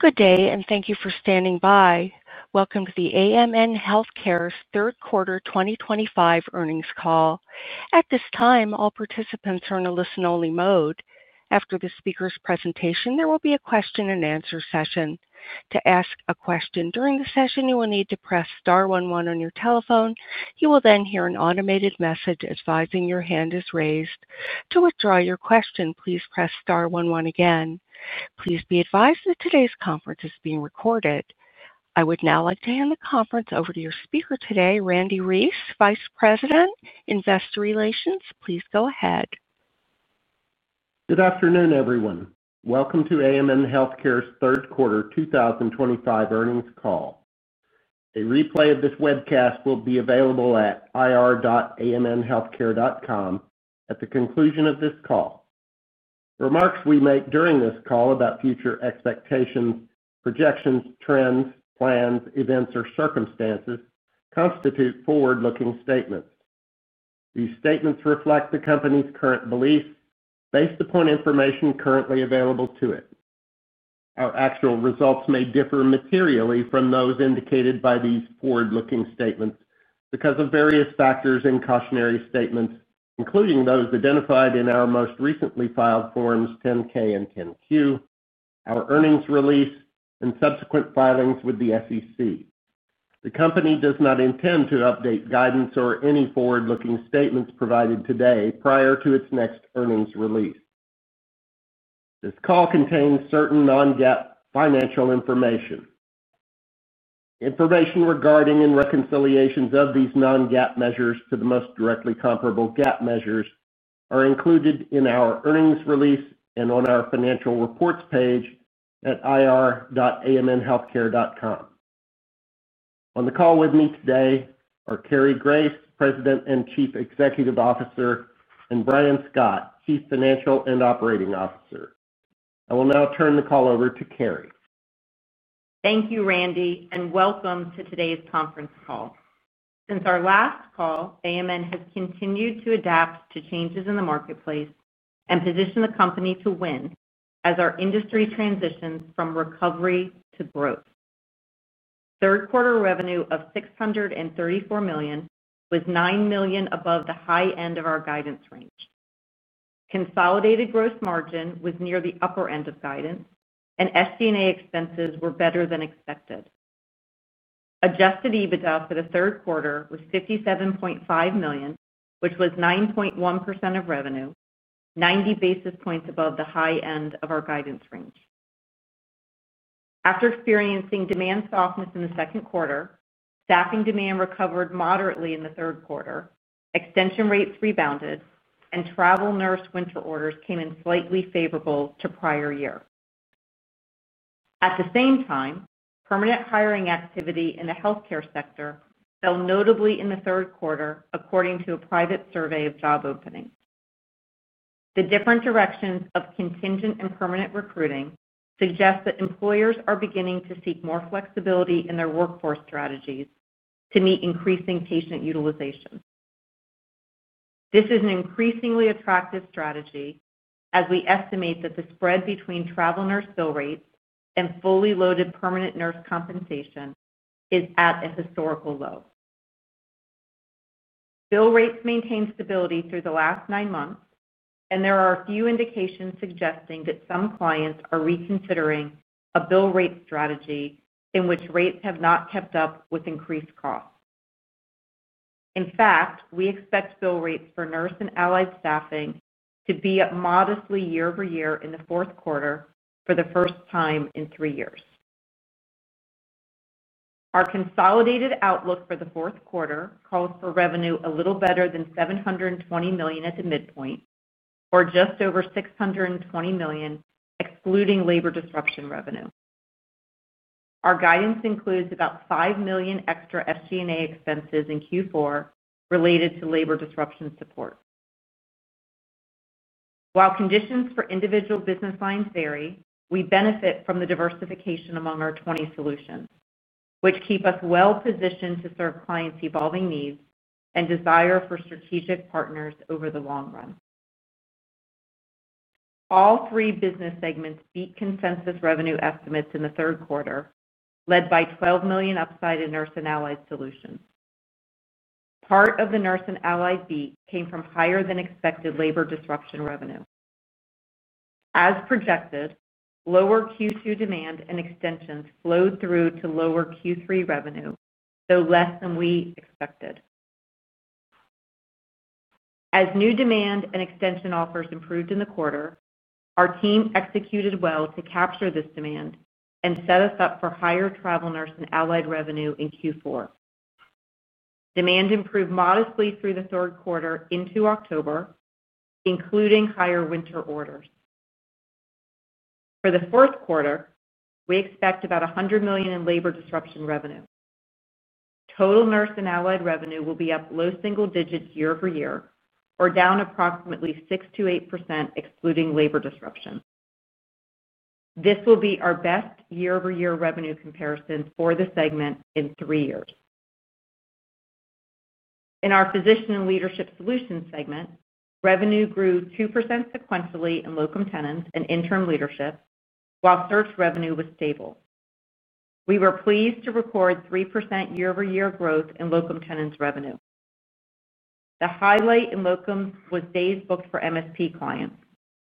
Good day, and thank you for standing by. Welcome to the AMN Healthcare third quarter 2025 earnings call. At this time, all participants are in a listen-only mode. After the speaker's presentation, there will be a question-and-answer session. To ask a question during the session, you will need to press star one one on your telephone. You will then hear an automated message advising your hand is raised. To withdraw your question, please press star 11 again. Please be advised that today's conference is being recorded. I would now like to hand the conference over to your speaker today, Randy Reece, Vice President, Investor Relations. Please go ahead. Good afternoon, everyone. Welcome to AMN Healthcare's third quarter 2025 earnings call. A replay of this webcast will be available at ir.amnhealthcare.com at the conclusion of this call. Remarks we make during this call about future expectations, projections, trends, plans, events, or circumstances constitute forward-looking statements. These statements reflect the company's current beliefs based upon information currently available to it. Our actual results may differ materially from those indicated by these forward-looking statements because of various factors in cautionary statements, including those identified in our most recently filed forms 10-K and 10-Q, our earnings release, and subsequent filings with the SEC. The company does not intend to update guidance or any forward-looking statements provided today prior to its next earnings release. This call contains certain non-GAAP financial information. Information regarding and reconciliations of these non-GAAP measures to the most directly comparable GAAP measures are included in our earnings release and on our financial reports page at ir.amnhealthcare.com. On the call with me today are Cary Grace, President and Chief Executive Officer, and Brian Scott, Chief Financial and Operating Officer. I will now turn the call over to Cary. Thank you, Randy, and welcome to today's conference call. Since our last call, AMN has continued to adapt to changes in the marketplace and position the company to win as our industry transitions from recovery to growth. Third quarter revenue of $634 million was $9 million above the high end of our guidance range. Consolidated gross margin was near the upper end of guidance, and SG&A expenses were better than expected. Adjusted EBITDA for the third quarter was $57.5 million, which was 9.1% of revenue, 90 basis points above the high end of our guidance range. After experiencing demand softness in the second quarter, staffing demand recovered moderately in the third quarter, extension rates rebounded, and travel nurse winter orders came in slightly favorable to prior year. At the same time, permanent hiring activity in the healthcare sector fell notably in the third quarter, according to a private survey of job openings. The different directions of contingent and permanent recruiting suggest that employers are beginning to seek more flexibility in their workforce strategies to meet increasing patient utilization. This is an increasingly attractive strategy as we estimate that the spread between travel nurse bill rates and fully loaded permanent nurse compensation is at a historical low. Bill rates maintained stability through the last nine months, and there are a few indications suggesting that some clients are reconsidering a bill rate strategy in which rates have not kept up with increased costs. In fact, we expect bill rates for nurse and allied staffing to be at modestly year-over-year in the fourth quarter for the first time in three years. Our consolidated outlook for the fourth quarter calls for revenue a little better than $720 million at the midpoint, or just over $620 million excluding labor disruption revenue. Our guidance includes about $5 million extra SG&A expenses in Q4 related to labor disruption support. While conditions for individual business lines vary, we benefit from the diversification among our 20 solutions, which keep us well-positioned to serve clients' evolving needs and desire for strategic partners over the long run. All three business segments beat consensus revenue estimates in the third quarter, led by $12 million upside in Nurse and Allied Solutions. Part of the Nurse and Allied beat came from higher-than-expected labor disruption revenue. As projected, lower Q2 demand and extensions flowed through to lower Q3 revenue, though less than we expected. As new demand and extension offers improved in the quarter, our team executed well to capture this demand and set us up for higher travel nurse and allied revenue in Q4. Demand improved modestly through the third quarter into October, including higher winter orders. For the fourth quarter, we expect about $100 million in labor disruption revenue. Total nurse and allied revenue will be up low single digits year-over-year or down approximately 6-8% excluding labor disruption. This will be our best year-over-year revenue comparison for the segment in three years. In our Physician and Leadership Solutions segment, revenue grew 2% sequentially in locum tenens and interim leadership, while search revenue was stable. We were pleased to record 3% year-over-year growth in locum tenens revenue. The highlight in locums was days booked for MSP clients,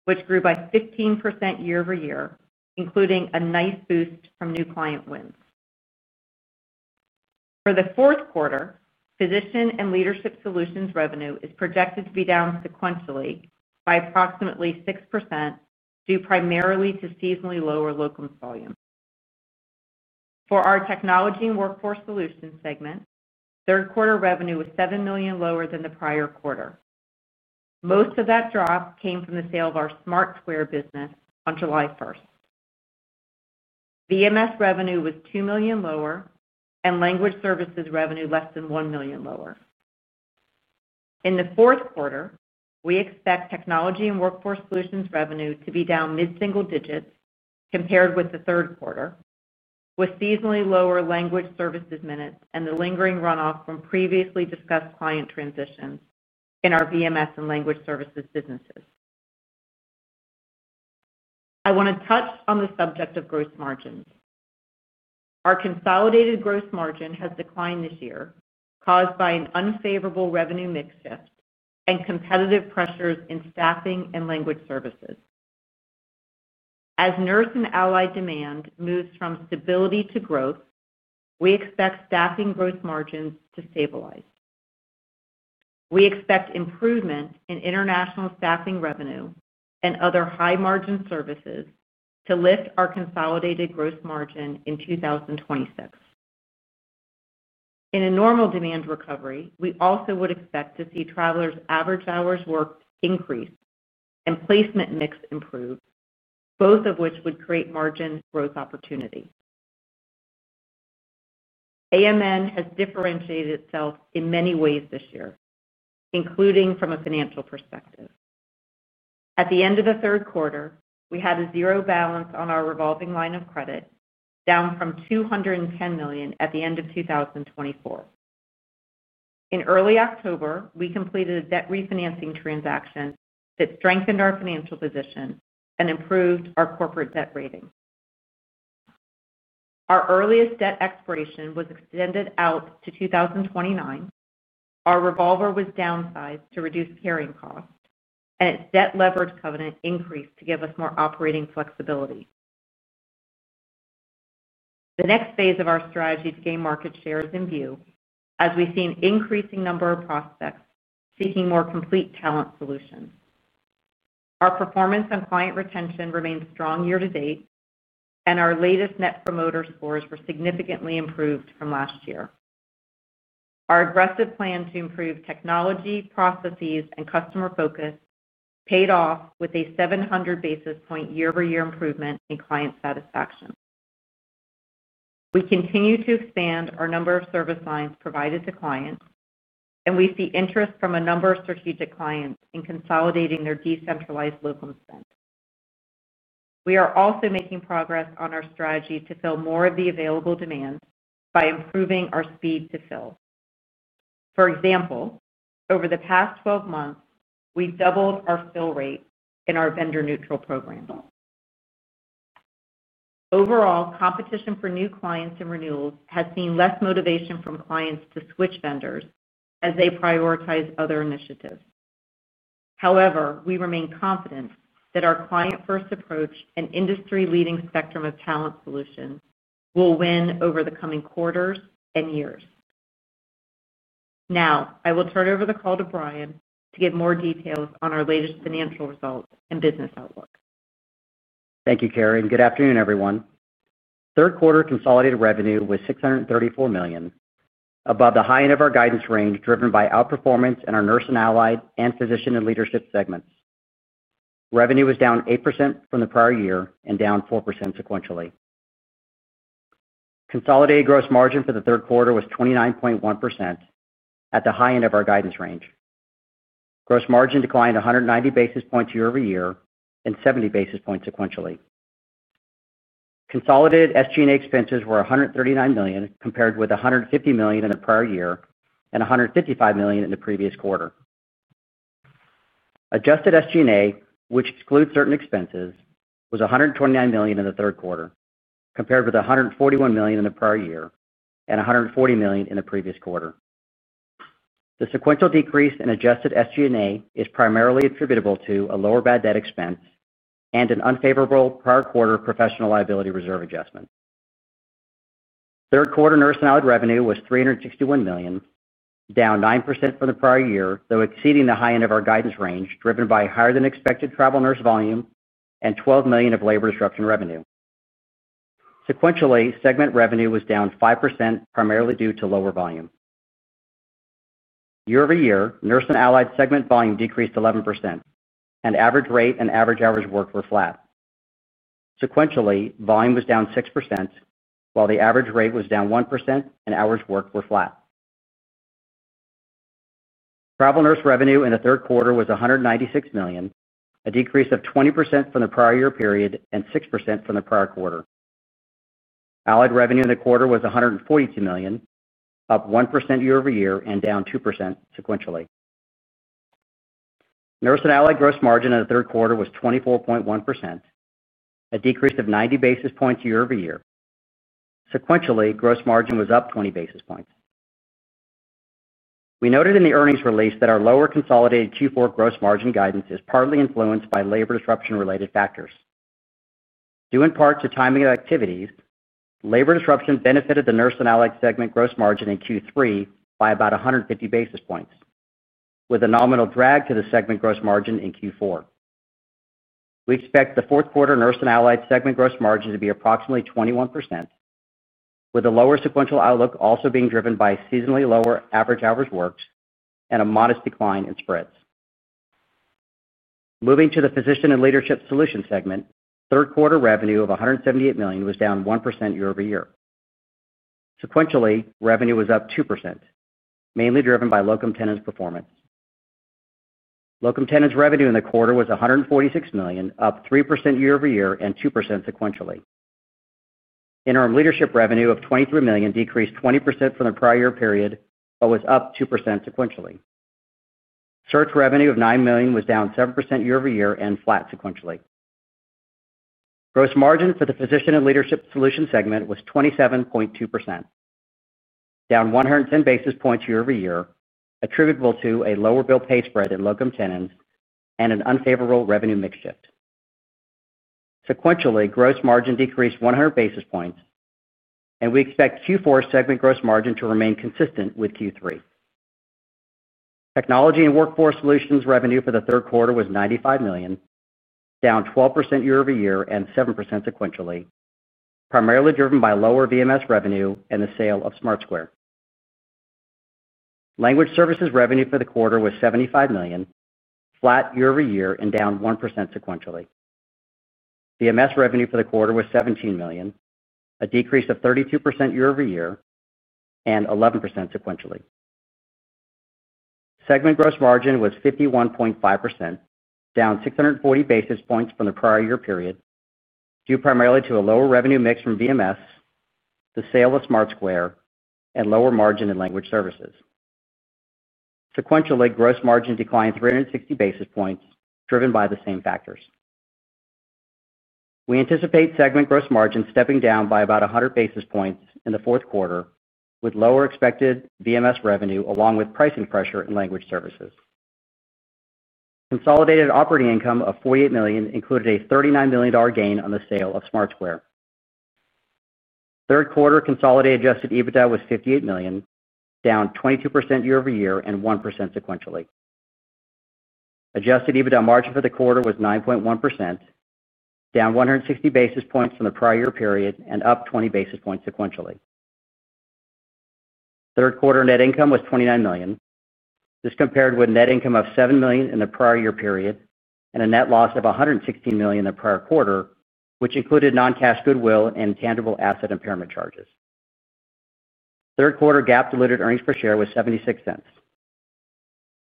which grew by 15% year-over-year, including a nice boost from new client wins. For the fourth quarter, Physician and Leadership Solutions revenue is projected to be down sequentially by approximately 6% due primarily to seasonally lower locums volume. For our Technology and Workforce Solutions segment, third quarter revenue was $7 million lower than the prior quarter. Most of that drop came from the sale of our SmartSquare business on July 1st. VMS revenue was $2 million lower, and language services revenue less than $1 million lower. In the fourth quarter, we expect Technology and Workforce Solutions revenue to be down mid-single digits compared with the third quarter, with seasonally lower language services minutes and the lingering runoff from previously discussed client transitions in our VMS and language services businesses. I want to touch on the subject of gross margins. Our consolidated gross margin has declined this year caused by an unfavorable revenue mix shift and competitive pressures in staffing and language services. As nurse and allied demand moves from stability to growth, we expect staffing gross margins to stabilize. We expect improvement in international staffing revenue and other high-margin services to lift our consolidated gross margin in 2026. In a normal demand recovery, we also would expect to see travelers' average hours worked increase and placement mix improve, both of which would create margin growth opportunity. AMN has differentiated itself in many ways this year, including from a financial perspective. At the end of the third quarter, we had a zero balance on our revolving line of credit, down from $210 million at the end of 2024. In early October, we completed a debt refinancing transaction that strengthened our financial position and improved our corporate debt rating. Our earliest debt expiration was extended out to 2029. Our revolver was downsized to reduce carrying cost, and its debt leverage covenant increased to give us more operating flexibility. The next phase of our strategy to gain market share is in view as we see an increasing number of prospects seeking more complete talent solutions. Our performance on client retention remains strong year-to-date, and our latest net promoter scores were significantly improved from last year. Our aggressive plan to improve technology, processes, and customer focus paid off with a 700 basis point year-over-year improvement in client satisfaction. We continue to expand our number of service lines provided to clients, and we see interest from a number of strategic clients in consolidating their decentralized locum spend. We are also making progress on our strategy to fill more of the available demand by improving our speed to fill. For example, over the past 12 months, we doubled our fill rate in our vendor-neutral program. Overall, competition for new clients and renewals has seen less motivation from clients to switch vendors as they prioritize other initiatives. However, we remain confident that our client-first approach and industry-leading spectrum of talent solutions will win over the coming quarters and years. Now, I will turn over the call to Brian to give more details on our latest financial results and business outlook. Thank you, Cary. Good afternoon, everyone. Third quarter consolidated revenue was $634 million, above the high end of our guidance range driven by outperformance in our Nurse and Allied and Physician and Leadership segments. Revenue was down 8% from the prior year and down 4% sequentially. Consolidated gross margin for the third quarter was 29.1% at the high end of our guidance range. Gross margin declined 190 basis points year-over-year and 70 basis points sequentially. Consolidated SG&A expenses were $139 million compared with $150 million in the prior year and $155 million in the previous quarter. Adjusted SG&A, which excludes certain expenses, was $129 million in the third quarter compared with $141 million in the prior year and $140 million in the previous quarter. The sequential decrease in adjusted SG&A is primarily attributable to a lower bad debt expense and an unfavorable prior quarter professional liability reserve adjustment. Third quarter nurse and allied revenue was $361 million, down 9% from the prior year, though exceeding the high end of our guidance range driven by higher-than-expected travel nurse volume and $12 million of labor disruption revenue. Sequentially, segment revenue was down 5% primarily due to lower volume. Year-over-year, nurse and allied segment volume decreased 11%, and average rate and average hours worked were flat. Sequentially, volume was down 6%, while the average rate was down 1% and hours worked were flat. Travel nurse revenue in the third quarter was $196 million, a decrease of 20% from the prior year period and 6% from the prior quarter. Allied revenue in the quarter was $142 million, up 1% year-over-year and down 2% sequentially. Nurse and allied gross margin in the third quarter was 24.1%, a decrease of 90 basis points year-over-year. Sequentially, gross margin was up 20 basis points. We noted in the earnings release that our lower consolidated Q4 gross margin guidance is partly influenced by labor disruption-related factors. Due in part to timing of activities, labor disruption benefited the Nurse and Allied Solutions segment gross margin in Q3 by about 150 basis points, with a nominal drag to the segment gross margin in Q4. We expect the fourth quarter Nurse and Allied Solutions segment gross margin to be approximately 21%. With a lower sequential outlook also being driven by seasonally lower average hours worked and a modest decline in spreads. Moving to the Physician and Leadership Solutions segment, third quarter revenue of $178 million was down 1% year-over-year. Sequentially, revenue was up 2%, mainly driven by locum tenens performance. Locum tenens revenue in the quarter was $146 million, up 3% year-over-year and 2% sequentially. Interim leadership revenue of $23 million decreased 20% from the prior year period but was up 2% sequentially. Search revenue of $9 million was down 7% year-over-year and flat sequentially. Gross margin for the Physician and Leadership Solutions segment was 27.2%, down 110 basis points year-over-year, attributable to a lower bill pay spread in locum tenens and an unfavorable revenue mix shift. Sequentially, gross margin decreased 100 basis points, and we expect Q4 segment gross margin to remain consistent with Q3. Technology and Workforce Solutions revenue for the third quarter was $95 million, down 12% year-over-year and 7% sequentially, primarily driven by lower VMS revenue and the sale of SmartSquare. Language services revenue for the quarter was $75 million, flat year-over-year and down 1% sequentially. VMS revenue for the quarter was $17 million, a decrease of 32% year-over-year and 11% sequentially. Segment gross margin was 51.5%, down 640 basis points from the prior year period. Due primarily to a lower revenue mix from VMS, the sale of SmartSquare, and lower margin in language services. Sequentially, gross margin declined 360 basis points driven by the same factors. We anticipate segment gross margin stepping down by about 100 basis points in the fourth quarter, with lower expected VMS revenue along with pricing pressure in language services. Consolidated operating income of $48 million included a $39 million gain on the sale of SmartSquare. Third quarter consolidated adjusted EBITDA was $58 million, down 22% year-over-year and 1% sequentially. Adjusted EBITDA margin for the quarter was 9.1%, down 160 basis points from the prior year period and up 20 basis points sequentially. Third quarter net income was $29 million. This compared with net income of $7 million in the prior year period and a net loss of $116 million in the prior quarter, which included non-cash goodwill and tangible asset impairment charges. Third quarter GAAP-diluted earnings per share was $0.76.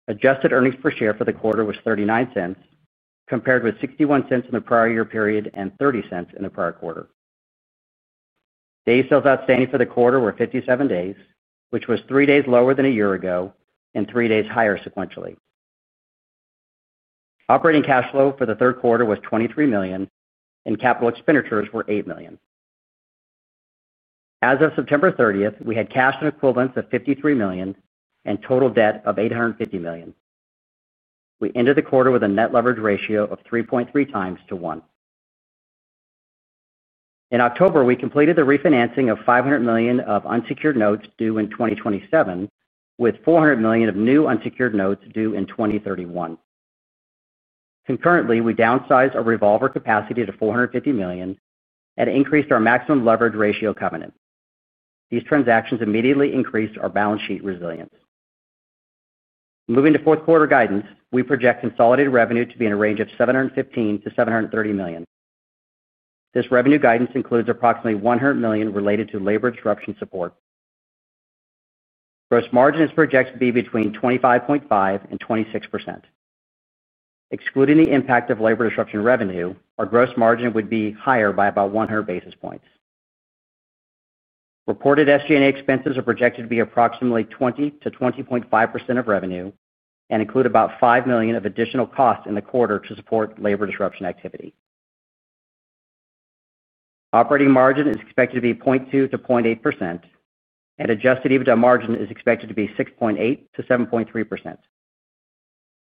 Adjusted earnings per share for the quarter was $0.39, compared with $0.61 in the prior year period and $0.30 in the prior quarter. Days sales outstanding for the quarter were 57 days, which was three days lower than a year ago and three days higher sequentially. Operating cash flow for the third quarter was $23 million, and capital expenditures were $8 million. As of September 30, we had cash and equivalents of $53 million and total debt of $850 million. We ended the quarter with a net leverage ratio of 3.3 times to 1. In October, we completed the refinancing of $500 million of unsecured notes due in 2027, with $400 million of new unsecured notes due in 2031. Concurrently, we downsized our revolver capacity to $450 million and increased our maximum leverage ratio covenant. These transactions immediately increased our balance sheet resilience. Moving to fourth quarter guidance, we project consolidated revenue to be in a range of $715-$730 million. This revenue guidance includes approximately $100 million related to labor disruption support. Gross margin is projected to be between 25.5%-26%. Excluding the impact of labor disruption revenue, our gross margin would be higher by about 100 basis points. Reported SG&A expenses are projected to be approximately 20%-20.5% of revenue and include about $5 million of additional costs in the quarter to support labor disruption activity. Operating margin is expected to be 0.2%-0.8%. Adjusted EBITDA margin is expected to be 6.8%-7.3%.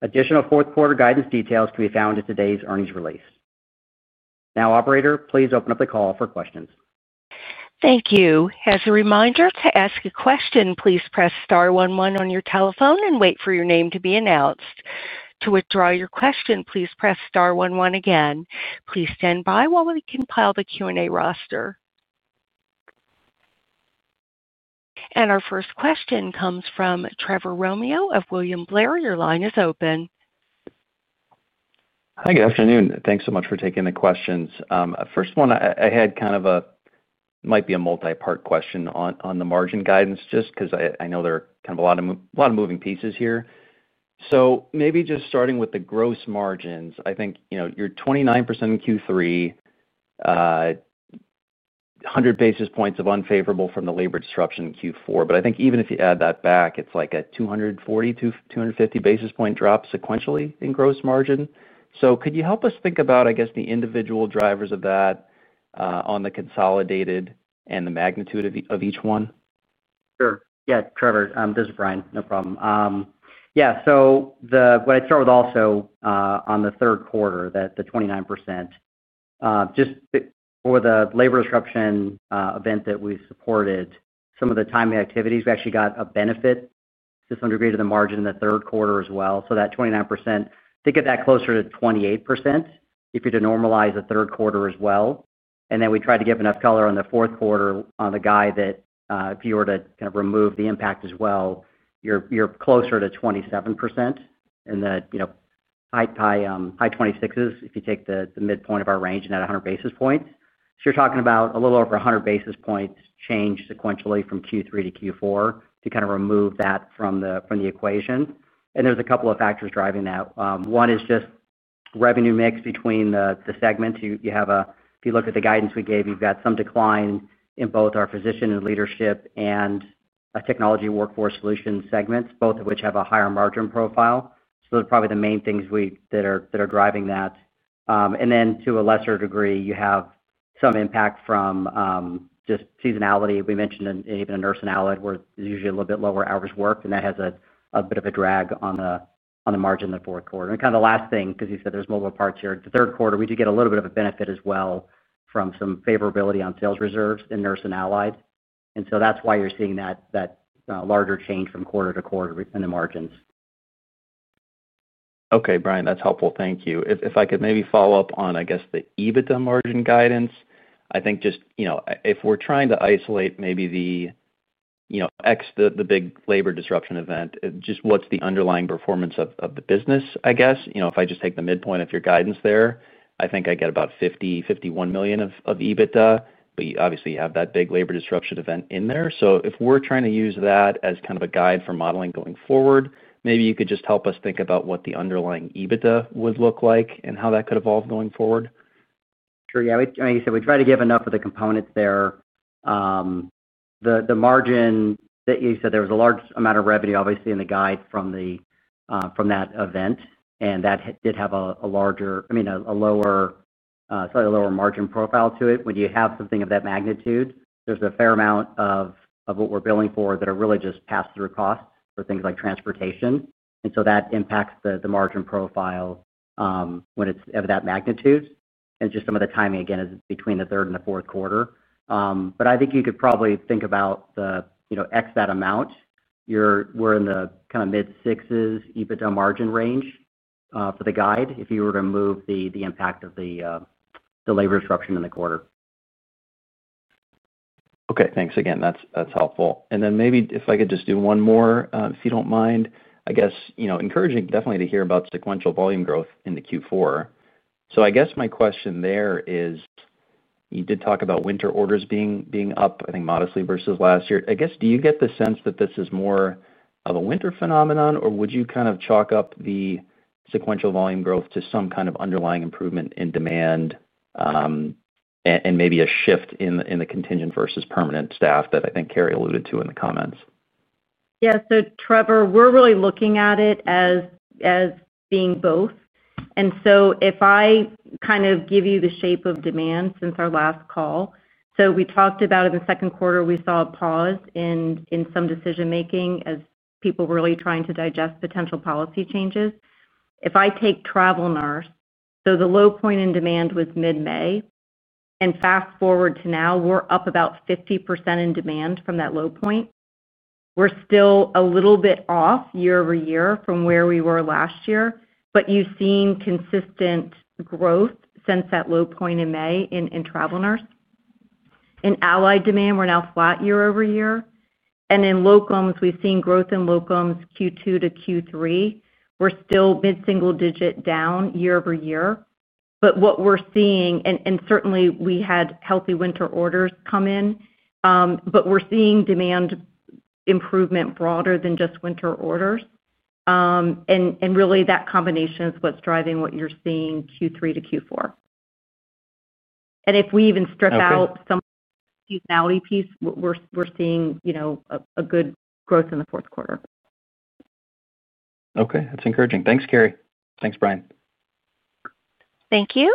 Additional fourth quarter guidance details can be found in today's earnings release. Now, Operator, please open up the call for questions. Thank you. As a reminder, to ask a question, please press star 11 on your telephone and wait for your name to be announced. To withdraw your question, please press star 11 again. Please stand by while we compile the Q&A roster. Our first question comes from Trevor Romeo of William Blair. Your line is open. Hi, good afternoon. Thanks so much for taking the questions. First one, I had kind of a, might be a multi-part question on the margin guidance just because I know there are kind of a lot of moving pieces here. Maybe just starting with the gross margins, I think you're 29% in Q3. 100 basis points of unfavorable from the labor disruption in Q4. I think even if you add that back, it's like a 240-250 basis point drop sequentially in gross margin. Could you help us think about, I guess, the individual drivers of that on the consolidated and the magnitude of each one? Sure. Yeah, Trevor, this is Brian. No problem. Yeah, so when I start with also on the third quarter, the 29%. Just for the labor disruption event that we supported, some of the timing activities, we actually got a benefit to some degree to the margin in the third quarter as well. So that 29%, to get that closer to 28%, if you were to normalize the third quarter as well. And then we tried to give enough color on the fourth quarter on the guide that if you were to kind of remove the impact as well, you're closer to 27% in the high 26s if you take the midpoint of our range and add 100 basis points. So you're talking about a little over 100 basis points change sequentially from Q3 to Q4 to kind of remove that from the equation. And there's a couple of factors driving that. One is just revenue mix between the segments. If you look at the guidance we gave, you've got some decline in both our Physician and Leadership and Technology and Workforce Solutions segments, both of which have a higher margin profile. Those are probably the main things that are driving that. To a lesser degree, you have some impact from just seasonality. We mentioned even in Nurse and Allied where it's usually a little bit lower hours worked, and that has a bit of a drag on the margin in the fourth quarter. Kind of the last thing, because you said there's multiple parts here, the third quarter, we did get a little bit of a benefit as well from some favorability on sales reserves in Nurse and Allied. That's why you're seeing that larger change from quarter to quarter in the margins. Okay, Brian, that's helpful. Thank you. If I could maybe follow up on, I guess, the EBITDA margin guidance, I think just if we're trying to isolate maybe the, the big labor disruption event, just what's the underlying performance of the business, I guess? If I just take the midpoint of your guidance there, I think I get about $50-$51 million of EBITDA, but obviously you have that big labor disruption event in there. If we're trying to use that as kind of a guide for modeling going forward, maybe you could just help us think about what the underlying EBITDA would look like and how that could evolve going forward? Sure. Yeah. Like I said, we try to give enough of the components there. The margin that you said, there was a large amount of revenue, obviously, in the guide from that event, and that did have a larger, I mean, a slightly lower margin profile to it. When you have something of that magnitude, there's a fair amount of what we're billing for that are really just pass-through costs for things like transportation. That impacts the margin profile when it's of that magnitude. Just some of the timing, again, is between the third and the fourth quarter. I think you could probably think about the, X that amount, we're in the kind of mid-sixes EBITDA margin range for the guide if you were to move the impact of the labor disruption in the quarter. Okay. Thanks again. That's helpful. Maybe if I could just do one more, if you don't mind, I guess encouraging definitely to hear about sequential volume growth in the Q4. I guess my question there is, you did talk about winter orders being up, I think, modestly versus last year. I guess, do you get the sense that this is more of a winter phenomenon, or would you kind of chalk up the sequential volume growth to some kind of underlying improvement in demand? Maybe a shift in the contingent versus permanent staff that I think Cary alluded to in the comments? Yeah. Trevor, we're really looking at it as being both. If I kind of give you the shape of demand since our last call, we talked about in the second quarter, we saw a pause in some decision-making as people were really trying to digest potential policy changes. If I take travel nurse, the low point in demand was mid-May. Fast forward to now, we're up about 50% in demand from that low point. We're still a little bit off year over year from where we were last year, but you've seen consistent growth since that low point in May in travel nurse. In allied demand, we're now flat year over year. In locums, we've seen growth in locums Q2 to Q3. We're still mid-single digit down year over year. What we're seeing, and certainly we had healthy winter orders come in. We're seeing demand improvement broader than just winter orders. Really, that combination is what's driving what you're seeing Q3 to Q4. If we even strip out. That's cool. Some of the seasonality piece, we're seeing a good growth in the fourth quarter. Okay. That's encouraging. Thanks, Cary. Thanks, Brian. Thank you.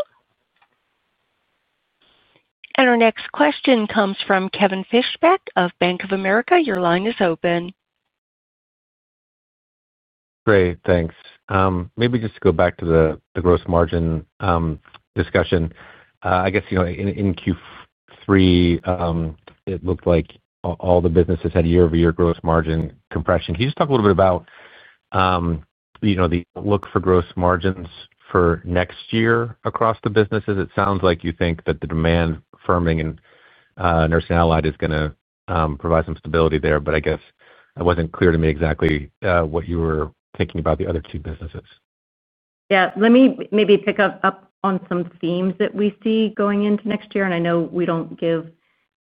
Our next question comes from Kevin Fishback of Bank of America. Your line is open. Great. Thanks. Maybe just to go back to the gross margin discussion. I guess in Q3 it looked like all the businesses had year-over-year gross margin compression. Can you just talk a little bit about the look for gross margins for next year across the businesses? It sounds like you think that the demand firming in nurse and allied is going to provide some stability there, but I guess it wasn't clear to me exactly what you were thinking about the other two businesses. Yeah. Let me maybe pick up on some themes that we see going into next year. I know we do not give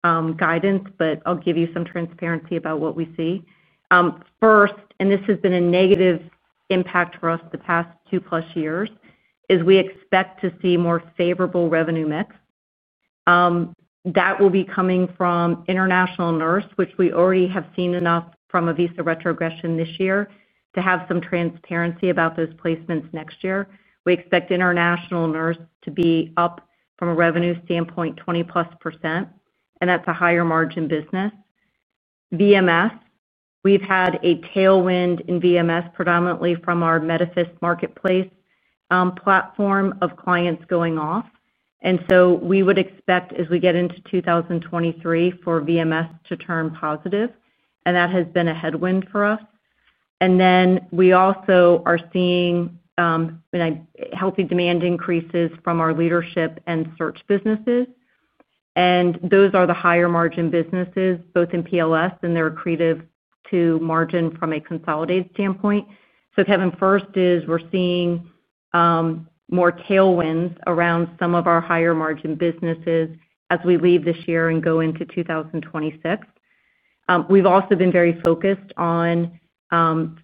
guidance, but I will give you some transparency about what we see. First, and this has been a negative impact for us the past two-plus years, is we expect to see more favorable revenue mix. That will be coming from international nurse, which we already have seen enough from a visa retrogression this year to have some transparency about those placements next year. We expect international nurse to be up from a revenue standpoint 20+%, and that is a higher margin business. VMS, we have had a tailwind in VMS predominantly from our Medifist marketplace platform of clients going off. We would expect, as we get into 2023, for VMS to turn positive. That has been a headwind for us. We also are seeing. Healthy demand increases from our leadership and search businesses. Those are the higher margin businesses, both in PLS and they're accretive to margin from a consolidated standpoint. Kevin, first is we're seeing more tailwinds around some of our higher margin businesses as we leave this year and go into 2026. We've also been very focused on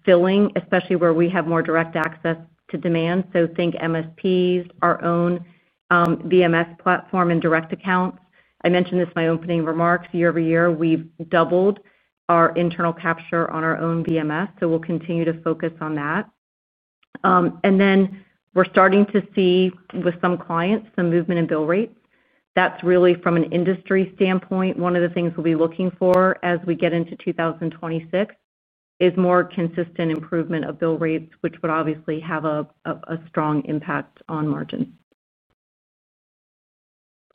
filling, especially where we have more direct access to demand. Think MSPs, our own VMS platform, and direct accounts. I mentioned this in my opening remarks. Year over year, we've doubled our internal capture on our own VMS, so we'll continue to focus on that. We're starting to see with some clients some movement in bill rates. That's really from an industry standpoint. One of the things we'll be looking for as we get into 2026 is more consistent improvement of bill rates, which would obviously have a strong impact on margins.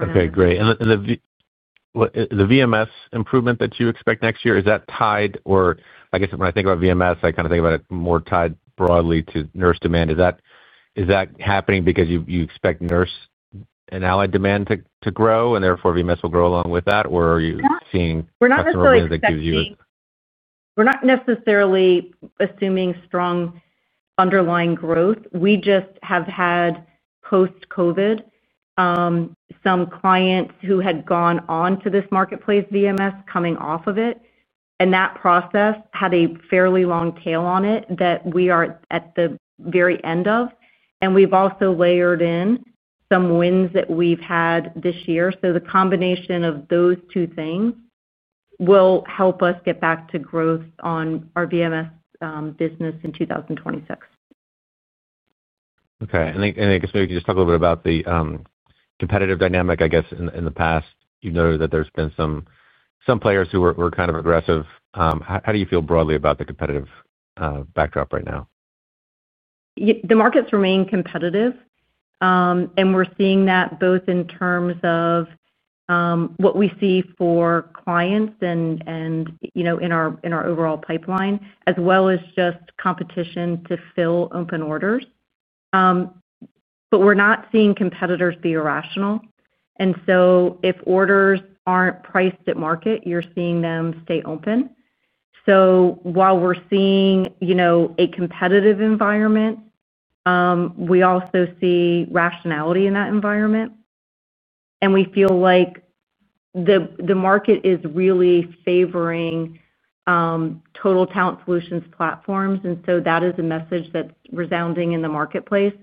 Okay. Great. The VMS improvement that you expect next year, is that tied or I guess when I think about VMS, I kind of think about it more tied broadly to nurse demand. Is that happening because you expect nurse and allied demand to grow, and therefore VMS will grow along with that? Or are you seeing something that gives you a? We're not necessarily assuming strong underlying growth. We just have had post-COVID, some clients who had gone on to this marketplace VMS coming off of it. That process had a fairly long tail on it that we are at the very end of. We've also layered in some wins that we've had this year. The combination of those two things will help us get back to growth on our VMS business in 2026. Okay. I guess maybe you can just talk a little bit about the competitive dynamic. I guess in the past you've noted that there's been some players who were kind of aggressive. How do you feel broadly about the competitive backdrop right now? The markets remain competitive. We're seeing that both in terms of what we see for clients and in our overall pipeline, as well as just competition to fill open orders. We're not seeing competitors be irrational. If orders aren't priced at market, you're seeing them stay open. While we're seeing a competitive environment, we also see rationality in that environment. We feel like the market is really favoring total talent solutions platforms. That is a message that's resounding in the marketplace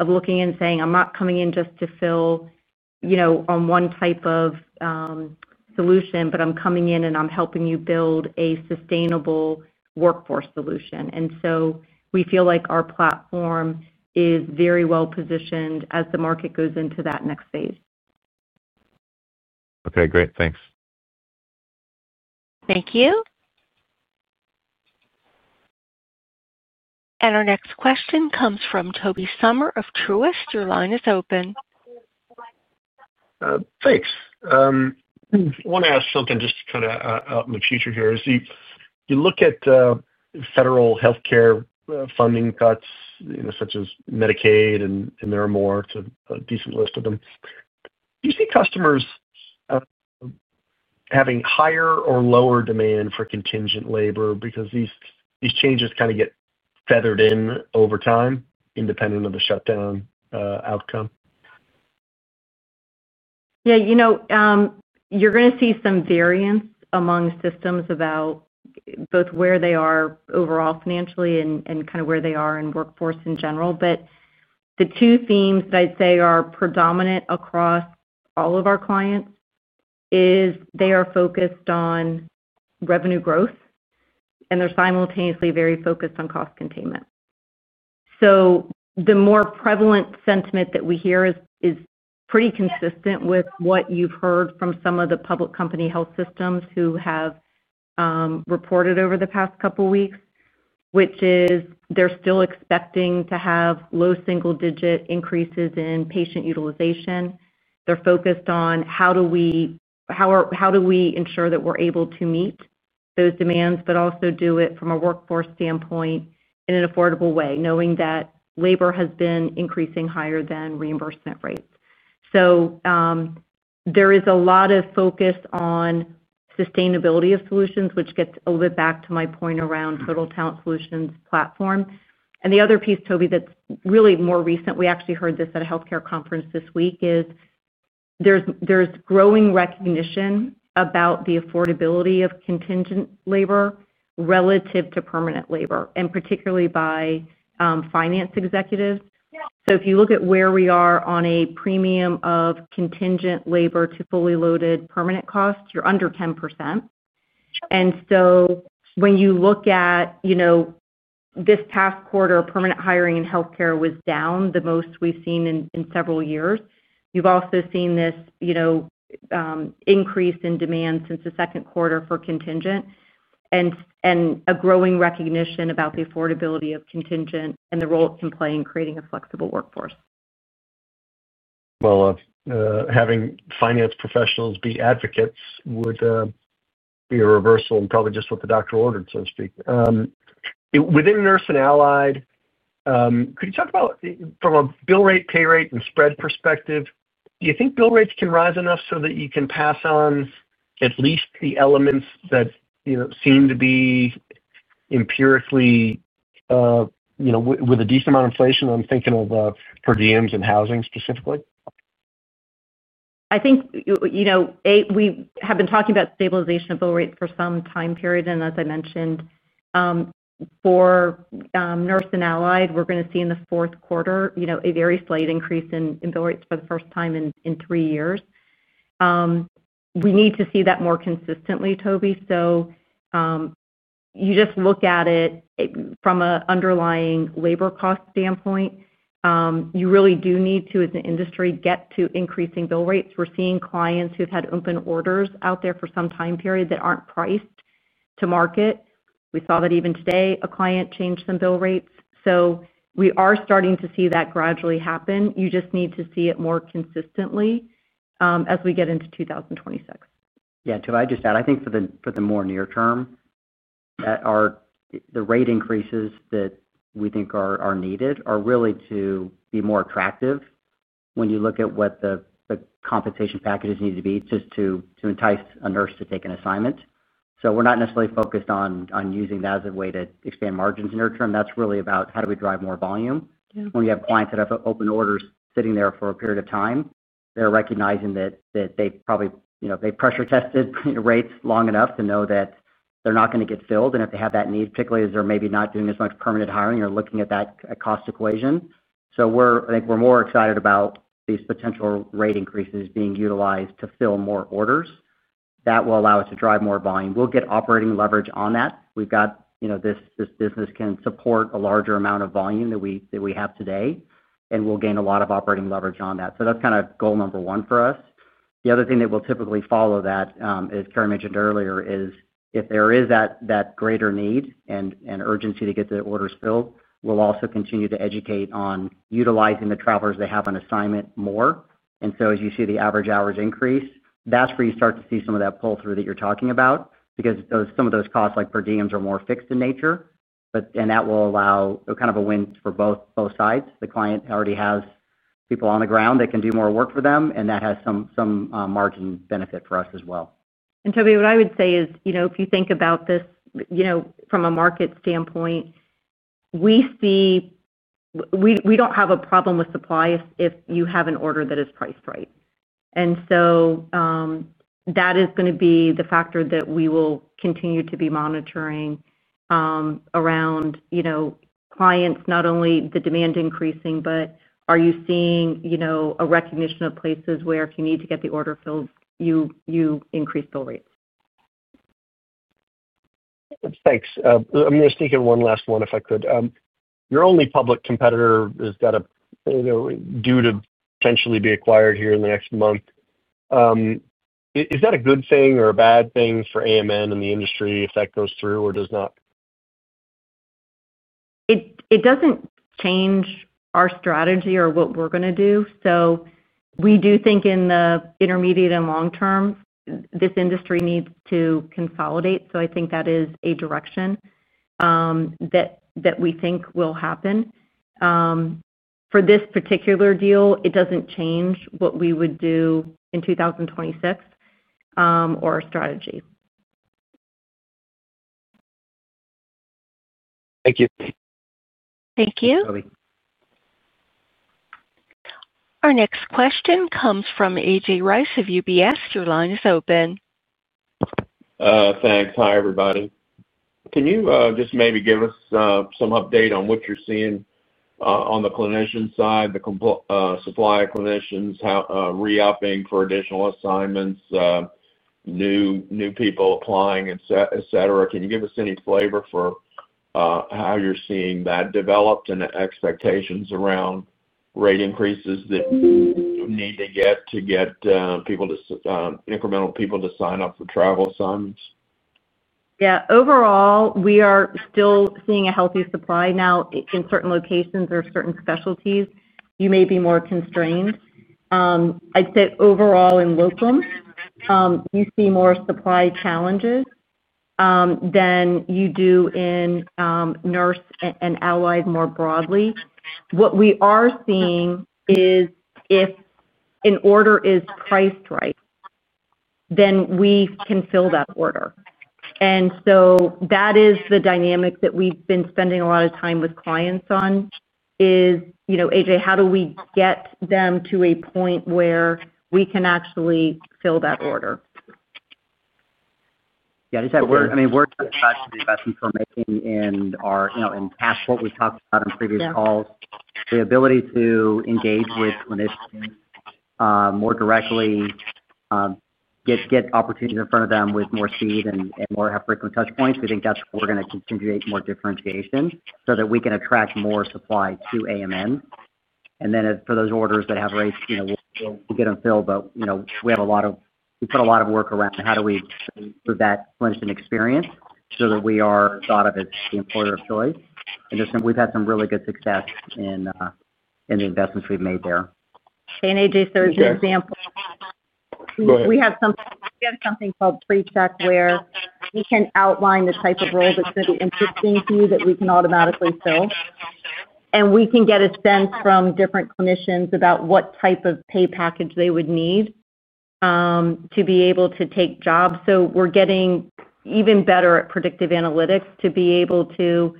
of looking and saying, "I'm not coming in just to fill on one type of solution, but I'm coming in and I'm helping you build a sustainable workforce solution." We feel like our platform is very well positioned as the market goes into that next phase. Okay. Great. Thanks. Thank you. Our next question comes from Toby Sommer of Truist. Your line is open. Thanks. I want to ask something just kind of out in the future here. You look at federal healthcare funding cuts such as Medicaid, and there are more to a decent list of them. Do you see customers having higher or lower demand for contingent labor because these changes kind of get feathered in over time, independent of the shutdown outcome? Yeah. You're going to see some variance among systems about both where they are overall financially and kind of where they are in workforce in general. The two themes that I'd say are predominant across all of our clients is they are focused on revenue growth, and they're simultaneously very focused on cost containment. The more prevalent sentiment that we hear is pretty consistent with what you've heard from some of the public company health systems who have reported over the past couple of weeks, which is they're still expecting to have low single-digit increases in patient utilization. They're focused on how do we ensure that we're able to meet those demands, but also do it from a workforce standpoint in an affordable way, knowing that labor has been increasing higher than reimbursement rates. There is a lot of focus on. Sustainability of solutions, which gets a little bit back to my point around total talent solutions platform. The other piece, Toby, that's really more recent, we actually heard this at a healthcare conference this week, is there's growing recognition about the affordability of contingent labor relative to permanent labor, and particularly by finance executives. If you look at where we are on a premium of contingent labor to fully loaded permanent costs, you're under 10%. When you look at this past quarter, permanent hiring in healthcare was down the most we've seen in several years. You've also seen this increase in demand since the second quarter for contingent and a growing recognition about the affordability of contingent and the role it can play in creating a flexible workforce. Having finance professionals be advocates would be a reversal and probably just what the doctor ordered, so to speak. Within Nurse and Allied, could you talk about from a bill rate, pay rate, and spread perspective? Do you think bill rates can rise enough so that you can pass on at least the elements that seem to be empirically with a decent amount of inflation? I'm thinking of per diems and housing specifically. I think we have been talking about stabilization of bill rates for some time period. As I mentioned, for Nurse and Allied, we're going to see in the fourth quarter a very slight increase in bill rates for the first time in three years. We need to see that more consistently, Toby. You just look at it from an underlying labor cost standpoint. You really do need to, as an industry, get to increasing bill rates. We're seeing clients who've had open orders out there for some time period that aren't priced to market. We saw that even today, a client changed some bill rates. We are starting to see that gradually happen. You just need to see it more consistently as we get into 2026. Yeah. To what I just said, I think for the more near term. The rate increases that we think are needed are really to be more attractive when you look at what the compensation packages need to be just to entice a nurse to take an assignment. So we're not necessarily focused on using that as a way to expand margins in the near term. That's really about how do we drive more volume. When you have clients that have open orders sitting there for a period of time, they're recognizing that they probably pressure-tested rates long enough to know that they're not going to get filled. And if they have that need, particularly as they're maybe not doing as much permanent hiring or looking at that cost equation. So I think we're more excited about these potential rate increases being utilized to fill more orders. That will allow us to drive more volume. We'll get operating leverage on that. This business can support a larger amount of volume than we have today, and we'll gain a lot of operating leverage on that. That's kind of goal number one for us. The other thing that will typically follow that, as Cary mentioned earlier, is if there is that greater need and urgency to get the orders filled, we'll also continue to educate on utilizing the travelers they have on assignment more. As you see the average hours increase, that's where you start to see some of that pull-through that you're talking about because some of those costs like per diems are more fixed in nature. That will allow kind of a win for both sides. The client already has people on the ground that can do more work for them, and that has some margin benefit for us as well. Toby, what I would say is if you think about this from a market standpoint. We do not have a problem with supply if you have an order that is priced right. That is going to be the factor that we will continue to be monitoring. Around clients, not only the demand increasing, but are you seeing a recognition of places where if you need to get the order filled, you increase bill rates? Thanks. I'm going to sneak in one last one if I could. Your only public competitor has got a due to potentially be acquired here in the next month. Is that a good thing or a bad thing for AMN and the industry if that goes through or does not? It doesn't change our strategy or what we're going to do. We do think in the intermediate and long term, this industry needs to consolidate. I think that is a direction that we think will happen. For this particular deal, it doesn't change what we would do in 2026 or our strategy. Thank you. Thank you. Our next question comes from AJ Rice of UBS. Your line is open. Thanks. Hi, everybody. Can you just maybe give us some update on what you're seeing on the clinician side, the supply of clinicians, re-upping for additional assignments, new people applying, etc.? Can you give us any flavor for how you're seeing that develop and the expectations around rate increases that you need to get to get people to incremental people to sign up for travel assignments? Yeah. Overall, we are still seeing a healthy supply. Now, in certain locations or certain specialties, you may be more constrained. I'd say overall in locums, you see more supply challenges than you do in Nurse and Allied more broadly. What we are seeing is if an order is priced right, then we can fill that order. That is the dynamic that we've been spending a lot of time with clients on. Is AJ, how do we get them to a point where we can actually fill that order? Yeah. I mean, we're trying to do the best we're making in past what we've talked about in previous calls. The ability to engage with clinicians more directly, get opportunities in front of them with more speed and more frequent touchpoints, we think that's where we're going to contribute more differentiation so that we can attract more supply to AMN. For those orders that have rates, we'll get them filled. We put a lot of work around how do we improve that clinician experience so that we are thought of as the employer of choice. We've had some really good success in the investments we've made there. AJ, there's an example. We have something called PreCheck where we can outline the type of role that's going to be interesting to you that we can automatically fill. We can get a sense from different clinicians about what type of pay package they would need to be able to take jobs. We're getting even better at predictive analytics to be able to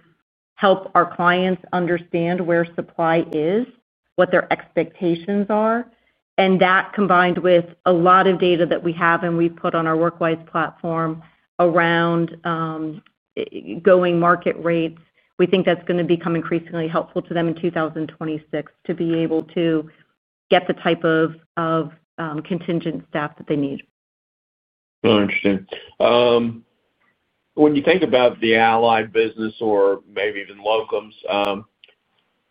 help our clients understand where supply is, what their expectations are. That combined with a lot of data that we have and we've put on our WorkWise platform around going market rates, we think that's going to become increasingly helpful to them in 2026 to be able to get the type of contingent staff that they need. Very interesting. When you think about the allied business or maybe even locums.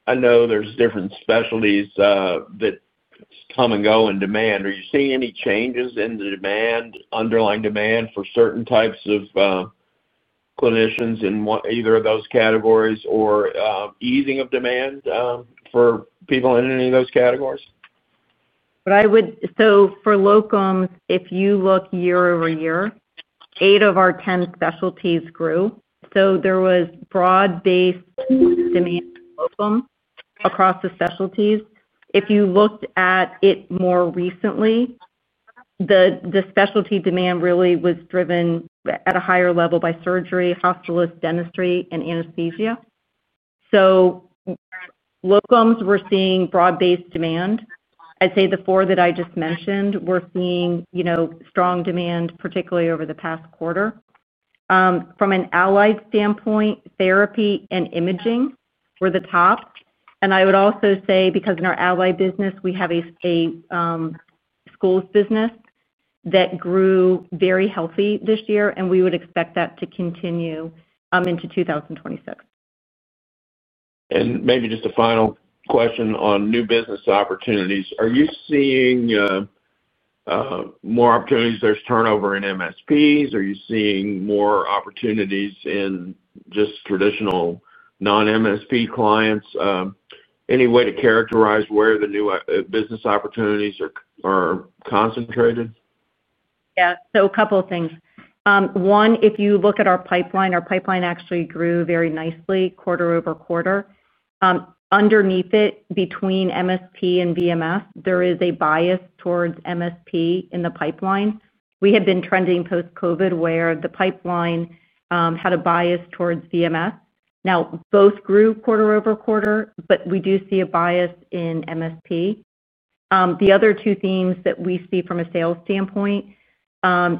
I know there's different specialties that come and go in demand. Are you seeing any changes in the underlying demand for certain types of clinicians in either of those categories or easing of demand for people in any of those categories? For locums, if you look year over year, 8 of our 10 specialties grew. There was broad-based demand for locums across the specialties. If you looked at it more recently, the specialty demand really was driven at a higher level by surgery, hospitalists, dentistry, and anesthesia. Locums, we're seeing broad-based demand. I'd say the four that I just mentioned, we're seeing strong demand, particularly over the past quarter. From an allied standpoint, therapy and imaging were the top. I would also say because in our allied business, we have a schools business that grew very healthy this year, and we would expect that to continue into 2026. Maybe just a final question on new business opportunities. Are you seeing more opportunities? There's turnover in MSPs. Are you seeing more opportunities in just traditional non-MSP clients? Any way to characterize where the new business opportunities are concentrated? Yeah. A couple of things. One, if you look at our pipeline, our pipeline actually grew very nicely quarter over quarter. Underneath it, between MSP and VMS, there is a bias towards MSP in the pipeline. We had been trending post-COVID where the pipeline had a bias towards VMS. Now, both grew quarter over quarter, but we do see a bias in MSP. The other two themes that we see from a sales standpoint are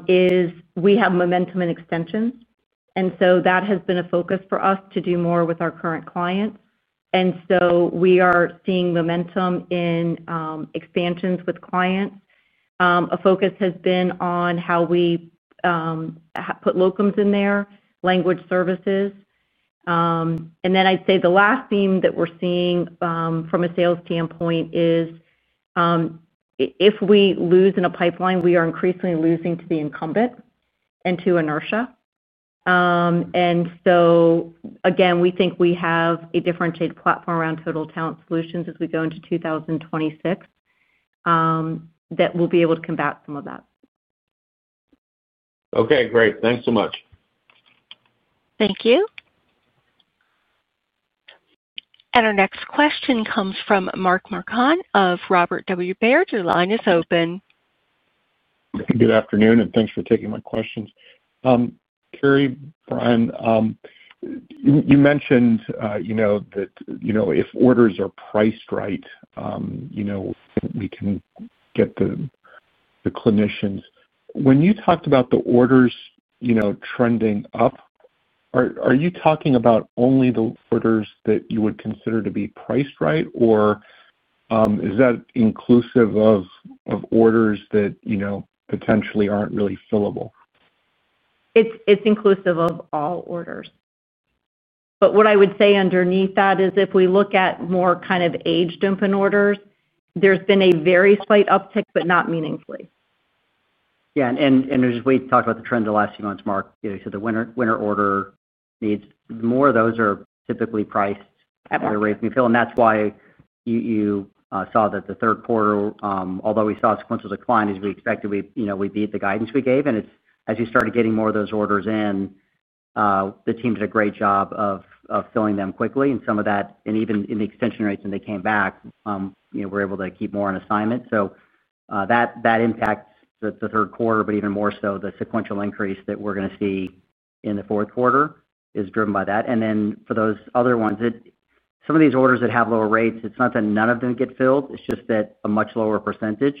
we have momentum in extensions. That has been a focus for us to do more with our current clients. We are seeing momentum in expansions with clients. A focus has been on how we put locums in there, language services. I'd say the last theme that we're seeing from a sales standpoint is. If we lose in a pipeline, we are increasingly losing to the incumbent and to inertia. Again, we think we have a differentiated platform around total talent solutions as we go into 2026. That we will be able to combat some of that. Okay. Great. Thanks so much. Thank you. Our next question comes from Mark Marcon of Robert W. Baird. Your line is open. Good afternoon, and thanks for taking my questions. Cary, Brian. You mentioned that if orders are priced right, we can get the clinicians. When you talked about the orders trending up, are you talking about only the orders that you would consider to be priced right, or is that inclusive of orders that potentially aren't really fillable? It's inclusive of all orders. What I would say underneath that is if we look at more kind of age-dependent orders, there's been a very slight uptick, but not meaningfully. Yeah. As we talked about the trend the last few months, Mark, you said the winter order needs, more of those are typically priced at what they're rated. That is why you saw that the third quarter, although we saw a sequential decline as we expected, we beat the guidance we gave. As we started getting more of those orders in, the team did a great job of filling them quickly. Some of that, and even in the extension rates when they came back, we're able to keep more on assignment. That impacts the third quarter, but even more so the sequential increase that we're going to see in the fourth quarter is driven by that. For those other ones, some of these orders that have lower rates, it's not that none of them get filled. It's just that a much lower percentage.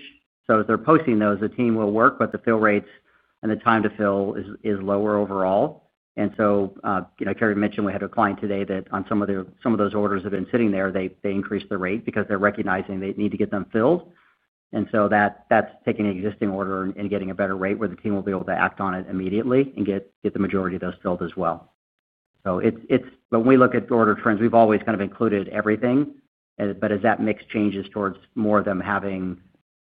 As they're posting those, the team will work, but the fill rates and the time to fill is lower overall. Karen mentioned we had a client today that on some of those orders that have been sitting there, they increased the rate because they're recognizing they need to get them filled. That's taking an existing order and getting a better rate where the team will be able to act on it immediately and get the majority of those filled as well. When we look at order trends, we've always kind of included everything. As that mix changes towards more of them having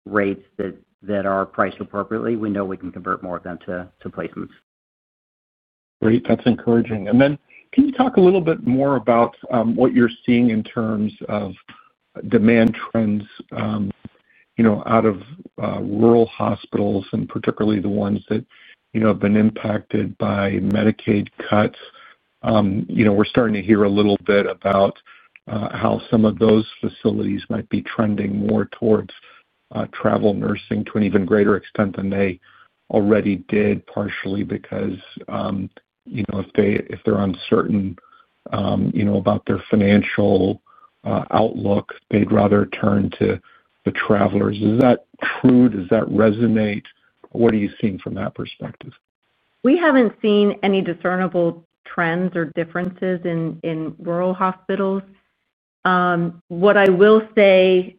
rates that are priced appropriately, we know we can convert more of them to placements. Great. That's encouraging. Can you talk a little bit more about what you're seeing in terms of demand trends out of rural hospitals, and particularly the ones that have been impacted by Medicaid cuts? We're starting to hear a little bit about how some of those facilities might be trending more towards travel nursing to an even greater extent than they already did, partially because if they're uncertain about their financial outlook, they'd rather turn to the travelers. Is that true? Does that resonate? What are you seeing from that perspective? We haven't seen any discernible trends or differences in rural hospitals. What I will say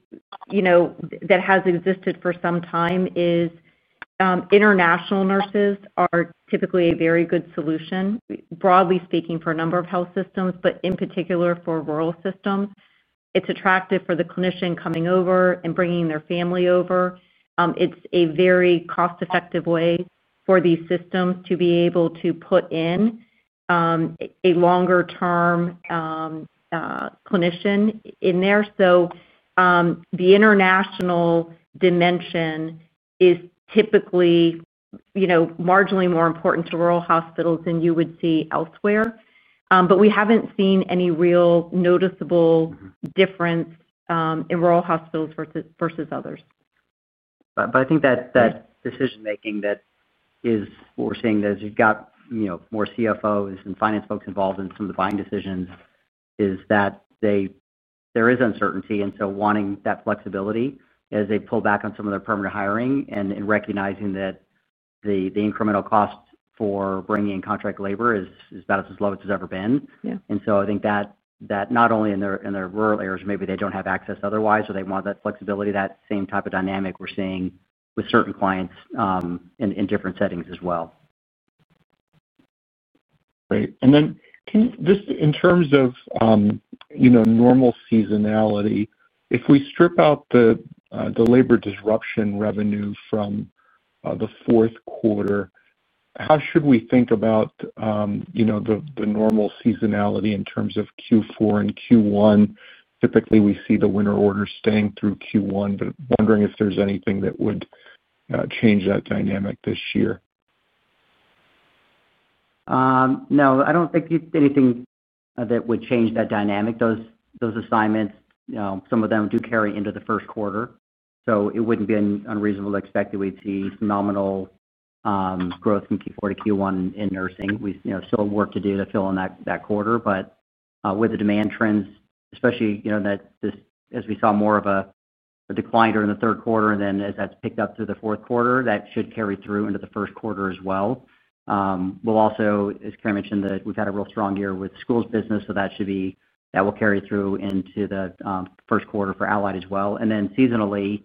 that has existed for some time is international nurses are typically a very good solution, broadly speaking, for a number of health systems, but in particular for rural systems. It's attractive for the clinician coming over and bringing their family over. It's a very cost-effective way for these systems to be able to put in a longer-term clinician in there. The international dimension is typically marginally more important to rural hospitals than you would see elsewhere. We haven't seen any real noticeable difference in rural hospitals versus others. I think that decision-making that is we're seeing as you've got more CFOs and finance folks involved in some of the buying decisions is that there is uncertainty. Wanting that flexibility as they pull back on some of their permanent hiring and recognizing that the incremental cost for bringing in contract labor is about as low as it's ever been. I think that not only in their rural areas, maybe they don't have access otherwise, or they want that flexibility, that same type of dynamic we're seeing with certain clients in different settings as well. Great. Just in terms of normal seasonality, if we strip out the labor disruption revenue from the fourth quarter, how should we think about the normal seasonality in terms of Q4 and Q1? Typically, we see the winter orders staying through Q1, but wondering if there's anything that would change that dynamic this year. No, I don't think anything that would change that dynamic. Those assignments, some of them do carry into the first quarter. It wouldn't be unreasonable to expect that we'd see phenomenal growth from Q4 to Q1 in nursing. We still have work to do to fill in that quarter. With the demand trends, especially as we saw more of a decline during the third quarter, and then as that's picked up through the fourth quarter, that should carry through into the first quarter as well. We'll also, as Cary mentioned, we've had a real strong year with schools business, so that will carry through into the first quarter for allied as well. Seasonally,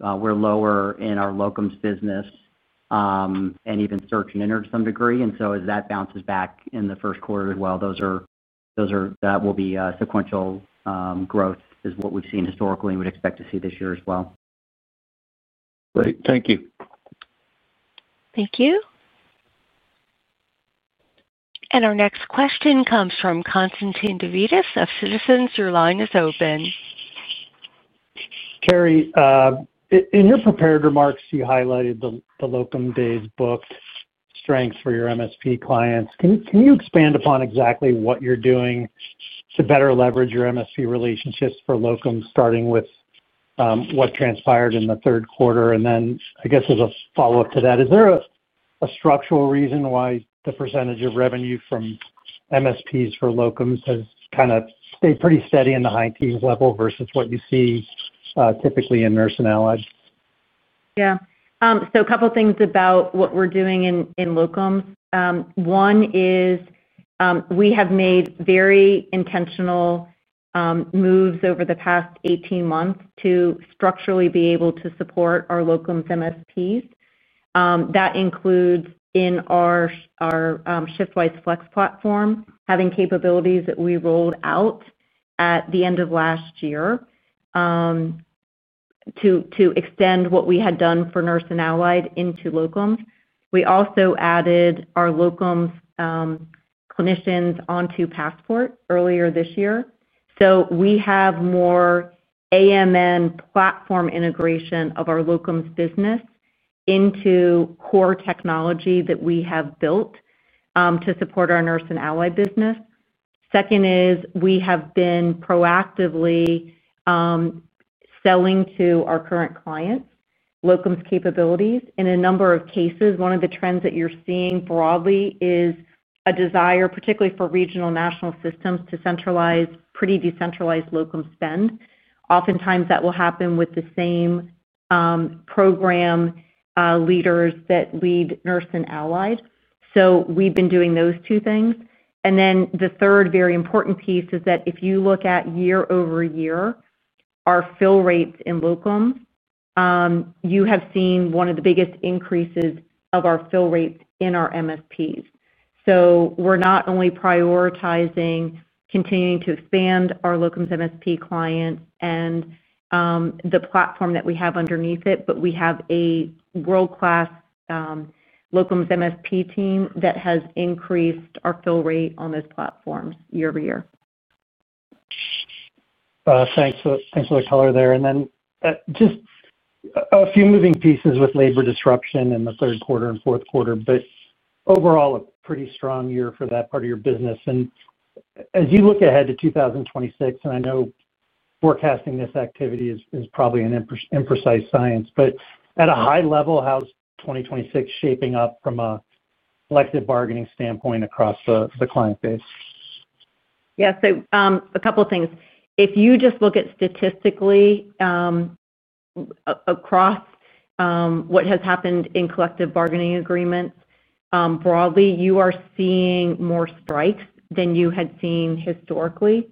we're lower in our locums business. Even search and enter to some degree. As that bounces back in the first quarter as well, that will be sequential growth is what we've seen historically and would expect to see this year as well. Great. Thank you. Thank you. Our next question comes from Constantine Davides of Citizens. Your line is open. Cary, in your prepared remarks, you highlighted the locum days booked strength for your MSP clients. Can you expand upon exactly what you're doing to better leverage your MSP relationships for locums, starting with what transpired in the third quarter? I guess, as a follow-up to that, is there a structural reason why the percentage of revenue from MSPs for locums has kind of stayed pretty steady in the high teens level versus what you see typically in nurse and allied? Yeah. So a couple of things about what we're doing in locums. One is, we have made very intentional moves over the past 18 months to structurally be able to support our locums MSPs. That includes, in our ShiftWise Flex platform, having capabilities that we rolled out at the end of last year to extend what we had done for nurse and allied into locums. We also added our locums clinicians onto Passport earlier this year. So we have more AMN platform integration of our locums business into core technology that we have built to support our nurse and allied business. Second is, we have been proactively selling to our current clients locums capabilities. In a number of cases, one of the trends that you're seeing broadly is a desire, particularly for regional national systems, to centralize pretty decentralized locums spend. Oftentimes, that will happen with the same program. Leaders that lead nurse and allied. We have been doing those two things. The third very important piece is that if you look at year over year, our fill rates in locums, you have seen one of the biggest increases of our fill rates in our MSPs. We are not only prioritizing continuing to expand our locums MSP clients and the platform that we have underneath it, but we have a world-class locums MSP team that has increased our fill rate on those platforms year over year. Thanks for the color there. Just a few moving pieces with labor disruption in the third quarter and fourth quarter, but overall, a pretty strong year for that part of your business. As you look ahead to 2026, and I know forecasting this activity is probably an imprecise science, but at a high level, how is 2026 shaping up from a collective bargaining standpoint across the client base? Yeah. A couple of things. If you just look at statistically, across what has happened in collective bargaining agreements broadly, you are seeing more strikes than you had seen historically.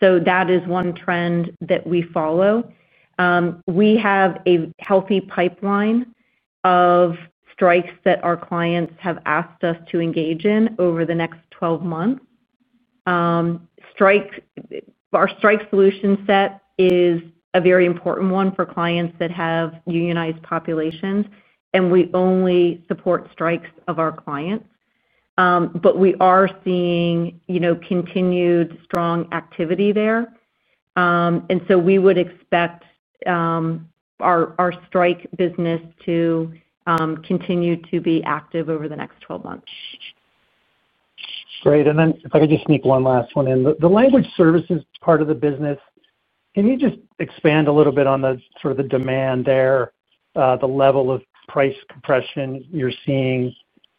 That is one trend that we follow. We have a healthy pipeline of strikes that our clients have asked us to engage in over the next 12 months. Our strike solution set is a very important one for clients that have unionized populations, and we only support strikes of our clients. We are seeing continued strong activity there. We would expect our strike business to continue to be active over the next 12 months. Great. If I could just sneak one last one in. The language services part of the business, can you just expand a little bit on sort of the demand there, the level of price compression you're seeing?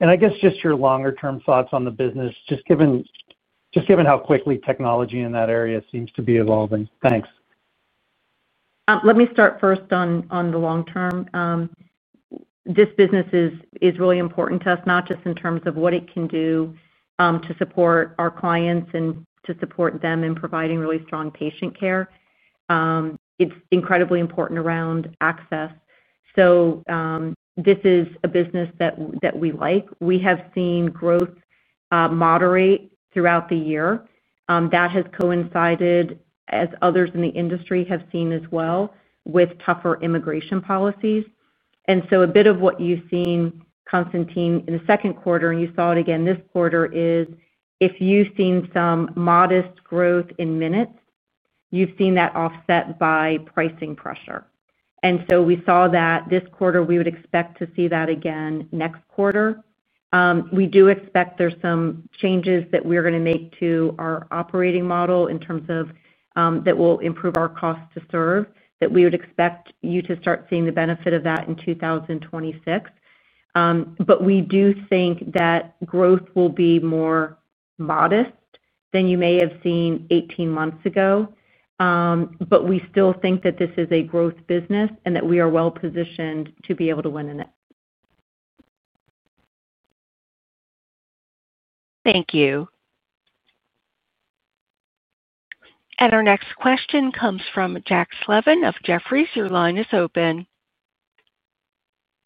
I guess just your longer-term thoughts on the business, just given how quickly technology in that area seems to be evolving. Thanks. Let me start first on the long-term. This business is really important to us, not just in terms of what it can do to support our clients and to support them in providing really strong patient care. It's incredibly important around access. This is a business that we like. We have seen growth moderate throughout the year. That has coincided, as others in the industry have seen as well, with tougher immigration policies. A bit of what you've seen, Constantine, in the second quarter, and you saw it again this quarter, is if you've seen some modest growth in minutes, you've seen that offset by pricing pressure. We saw that this quarter. We would expect to see that again next quarter. We do expect there's some changes that we're going to make to our operating model in terms of that will improve our cost to serve, that we would expect you to start seeing the benefit of that in 2026. We do think that growth will be more modest than you may have seen 18 months ago. We still think that this is a growth business and that we are well-positioned to be able to win in it. Thank you. Our next question comes from Jack Slevin of Jefferies. Your line is open.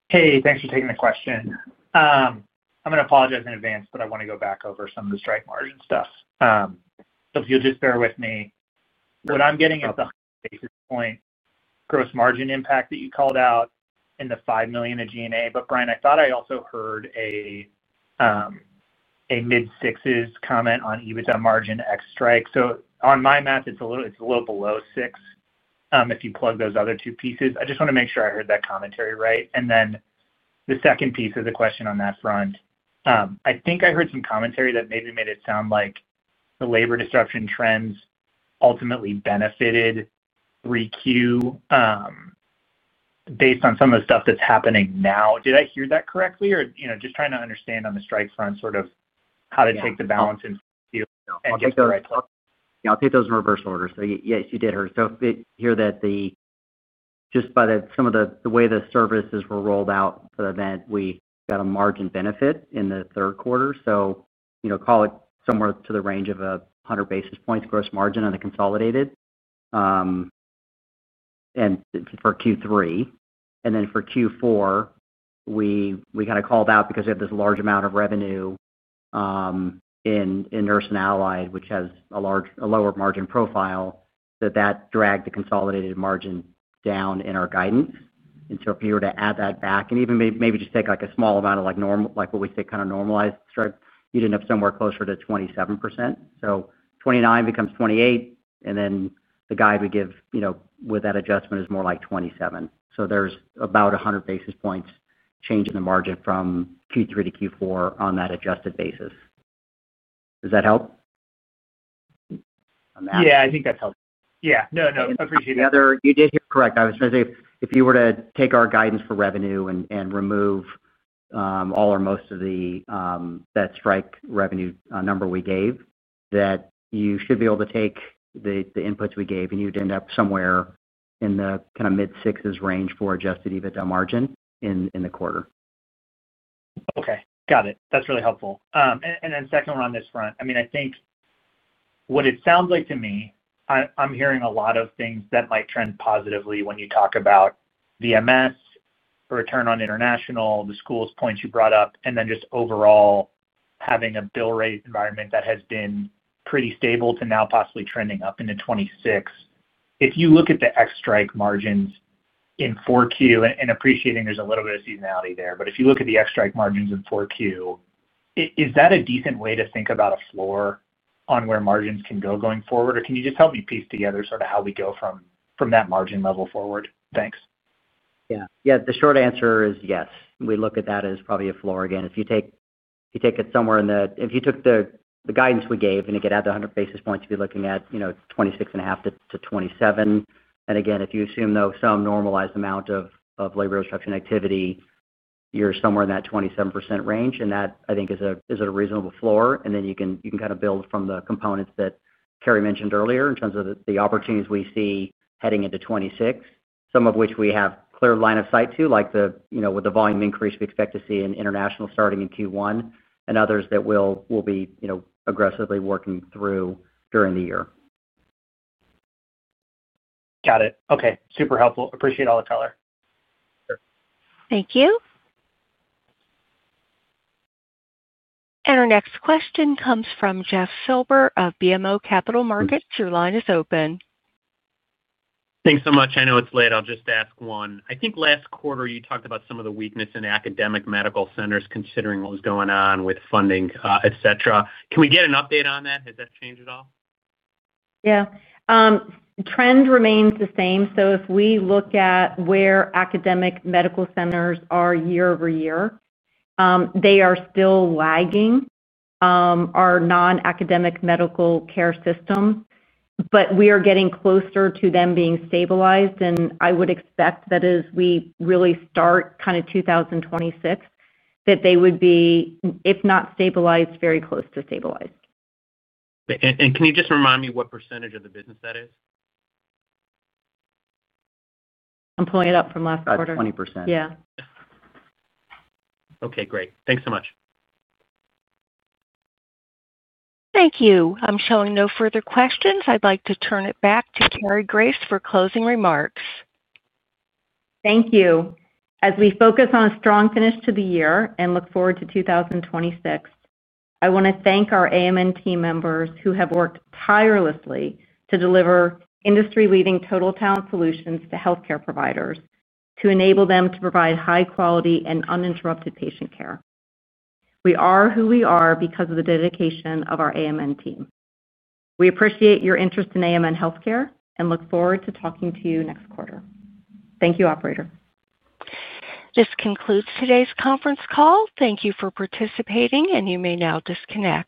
Hey, thanks for taking the question. I'm going to apologize in advance, but I want to go back over some of the strike margin stuff. If you'll just bear with me. What I'm getting is the basis point, gross margin impact that you called out in the $5 million of G&A. Brian, I thought I also heard a mid-sixes comment on EBITDA margin X strike. On my math, it's a little below 6 if you plug those other two pieces. I just want to make sure I heard that commentary right. The second piece of the question on that front, I think I heard some commentary that maybe made it sound like the labor disruption trends ultimately benefited 3Q based on some of the stuff that's happening now. Did I hear that correctly? Or just trying to understand on the strike front, sort of how to take the balance and. Yeah, I'll take those in reverse order. Yes, you did hear. I did hear that. Just by some of the way the services were rolled out for the event, we got a margin benefit in the third quarter. Call it somewhere in the range of 100 basis points gross margin on the consolidated for Q3. For Q4, we kind of called out because we have this large amount of revenue in Nurse and Allied, which has a lower margin profile, that that dragged the consolidated margin down in our guidance. If you were to add that back and even maybe just take a small amount of what we say kind of normalized strike, you'd end up somewhere closer to 27%. So 29% becomes 28%, and then the guide we give with that adjustment is more like 27%. There's about 100 basis points change in the margin from Q3 to Q4 on that adjusted basis. Does that help? Yeah, I think that's helpful. Yeah. No, appreciate it. You did hear correct. I was going to say, if you were to take our guidance for revenue and remove all or most of the strike revenue number we gave, that you should be able to take the inputs we gave, and you'd end up somewhere in the kind of mid-sixes range for Adjusted EBITDA margin in the quarter. Okay. Got it. That's really helpful. And then second one on this front, I mean, I think. What it sounds like to me, I'm hearing a lot of things that might trend positively when you talk about VMS, return on international, the schools points you brought up, and then just overall having a bill rate environment that has been pretty stable to now possibly trending up into 2026. If you look at the X strike margins in Q4, and appreciating there's a little bit of seasonality there, but if you look at the X strike margins in Q4. Is that a decent way to think about a floor on where margins can go going forward? Or can you just help me piece together sort of how we go from that margin level forward? Thanks. Yeah. Yeah. The short answer is yes. We look at that as probably a floor again. If you take it somewhere in the if you took the guidance we gave and it could add the 100 basis points, you'd be looking at 26.5%-27%. If you assume, though, some normalized amount of labor disruption activity, you're somewhere in that 27% range. That, I think, is a reasonable floor. You can kind of build from the components that Karen mentioned earlier in terms of the opportunities we see heading into 2026, some of which we have clear line of sight to, like with the volume increase we expect to see in international starting in Q1 and others that we'll be aggressively working through during the year. Got it. Okay. Super helpful. Appreciate all the color. Thank you. Our next question comes from Jeff Silber of BMO Capital Markets. Your line is open. Thanks so much. I know it's late. I'll just ask one. I think last quarter, you talked about some of the weakness in academic medical centers considering what was going on with funding, etc. Can we get an update on that? Has that changed at all? Yeah. Trend remains the same. If we look at where academic medical centers are year over year, they are still lagging our non-academic medical care system, but we are getting closer to them being stabilized. I would expect that as we really start kind of 2026, they would be, if not stabilized, very close to stabilized. Can you just remind me what percentage of the business that is? I'm pulling it up from last quarter. About 20%. Yeah. Okay. Great. Thanks so much. Thank you. I'm showing no further questions. I'd like to turn it back to Cary Grace for closing remarks. Thank you. As we focus on a strong finish to the year and look forward to 2026, I want to thank our AMN team members who have worked tirelessly to deliver industry-leading total talent solutions to healthcare providers to enable them to provide high-quality and uninterrupted patient care. We are who we are because of the dedication of our AMN team. We appreciate your interest in AMN Healthcare and look forward to talking to you next quarter. Thank you, operator. This concludes today's conference call. Thank you for participating, and you may now disconnect.